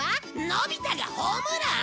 のび太がホームラン！？